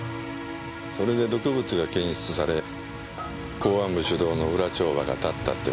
それで毒物が検出され公安部主導の裏帳場が立ったってわけ。